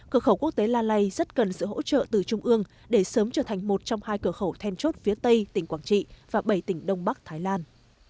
cửa khẩu quốc tế lalay rất cần sự hỗ trợ từ trung ương để sớm trở thành một trong hai cửa khẩu then chốt phía tây tỉnh quảng trị và bảy tỉnh đông bắc thái lan